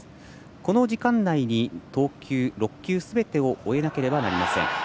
この時間内に投球、６球すべて終えないとなりません。